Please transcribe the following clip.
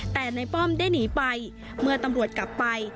แต่ในป้อมได้หนีไปเมื่อตำรวจกลับไป